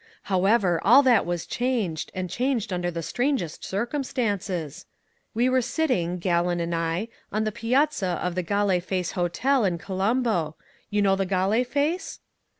"However, all that was changed, and changed under the strangest circumstances. We were sitting, Gallon and I, on the piazza of the Galle Face Hotel in Colombo you know the Galle Face?"